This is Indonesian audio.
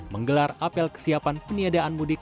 menggelar apel kesiapan peniadaan mudik